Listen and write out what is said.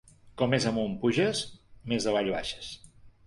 Com més amunt puges, més avall baixes.